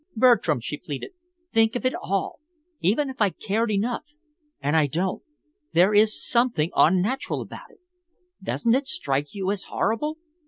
"Bertram," she pleaded, "think of it all. Even if I cared enough and I don't there is something unnatural about it. Doesn't it strike you as horrible?